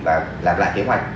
và làm lại kế hoạch